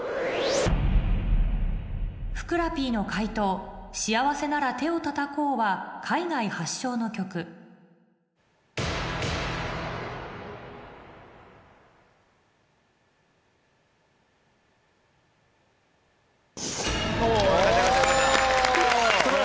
ふくらＰの解答『幸せなら手をたたこう』は海外発祥の曲およかったよかった。